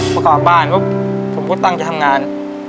ไปกลับบ้านพูดตั้งจะทำงาน